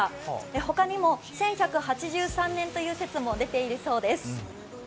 他にも１１８３年という説も出ているそうです。